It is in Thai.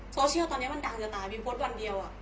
โซเชียลตอนนี้มันดังจะตายวิมโพสต์วันเดียว